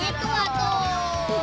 gitu lah tuh